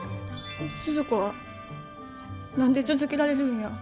スズ子は何で続けられるんや？